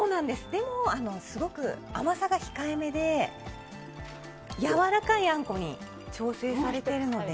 でも、すごく甘さが控えめでやわらかいあんこに調整されてるので。